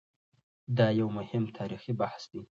دا یو مهم تاریخي بحث دی.